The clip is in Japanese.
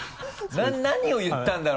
何を言ったんだろう？みたいな。